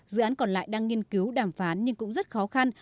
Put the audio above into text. dự án còn lại đang nghiên cứu đàm phán nhưng cũng rất khó khăn